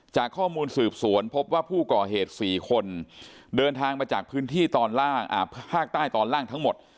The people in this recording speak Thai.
จากข้อมูลสืบสวนพบว่าผู้ก่อเหตุ๔คนเดินทางมาจากพื้นที่ตอนล่างภาคใต้ตอนล่างทั้งหมด